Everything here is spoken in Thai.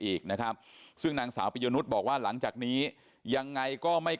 อีกนะครับซึ่งนางสาวปิยนุษย์บอกว่าหลังจากนี้ยังไงก็ไม่